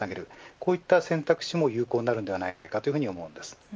こういった選択肢も有効になるのではないかと思います。